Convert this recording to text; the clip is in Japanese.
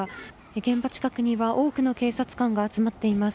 現場近くには多くの警察官が集まっています。